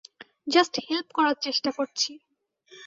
Just help করার চেষ্টা করছি।